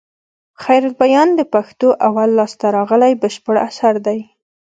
خيرالبيان د پښتو اول لاسته راغلى بشپړ اثر دئ.